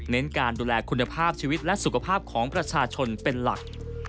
การดูแลคุณภาพชีวิตและสุขภาพของประชาชนเป็นหลัก